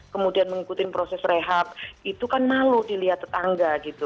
kemudian mengikuti proses rehab itu kan malu dilihat tetangga gitu